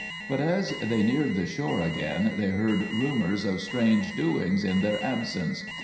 But as they neared the shore again they heard rumors of strange doings in their absence.